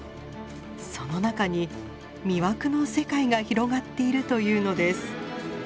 その中に魅惑の世界が広がっているというのです。